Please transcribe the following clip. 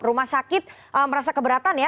rumah sakit merasa keberatan ya